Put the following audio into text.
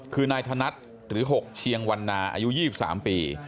คือนายธนัดหรือ๖เชียงวันนาอายุ๒๓ปี